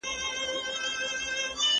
ولي ټکنالوژي زموږ په ژوند کې مهم ځای لري؟